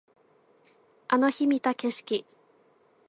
あの日見た景色